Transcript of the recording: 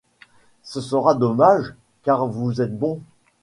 Ce sera dommage, car vous êtes bon.